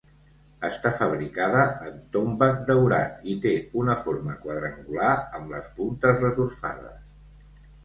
Està fabricada en tombac daurat, i té una forma quadrangular amb les puntes retorçades.